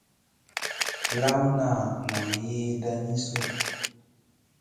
Lawna nan yiidan ni zo.